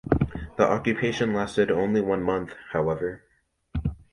The occupation lasted only one month, however.